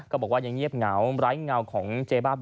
บอกว่ายังเงียบเหงาไร้เงาของเจ๊บ้า